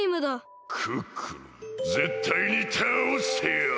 クックルンぜったいにたおしてやる！